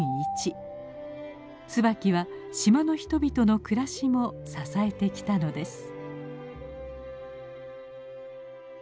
ツバキは島の人々の暮らしも支えてきたのです。